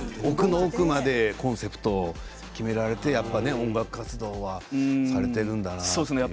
すごく深い、奥の奥までコンセプトを決められてやっぱり音楽活動をされているんだなという。